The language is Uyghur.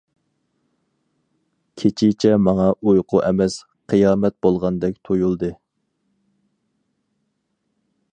كېچىچە ماڭا ئۇيقۇ ئەمەس، قىيامەت بولغاندەك تۇيۇلدى.